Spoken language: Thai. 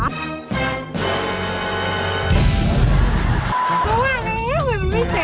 มันเพราะคำนี้ใช่มั้ย